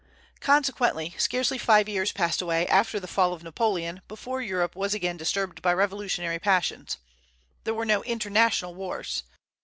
Consequently, scarcely five years passed away after the fall of Napoleon before Europe was again disturbed by revolutionary passions. There were no international wars.